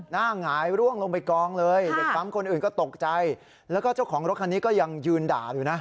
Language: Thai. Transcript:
หงายร่วงลงไปกองเลยเด็กปั๊มคนอื่นก็ตกใจแล้วก็เจ้าของรถคันนี้ก็ยังยืนด่าอยู่นะ